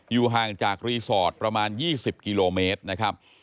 ห่างจากรีสอร์ทประมาณ๒๐กิโลเมตรนะครับ